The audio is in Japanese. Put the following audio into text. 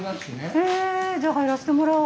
へえじゃあ入らしてもらおう。